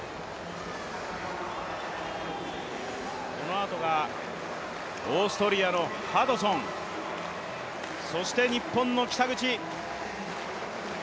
このあとがオーストリアのハドソン、そして日本の北口。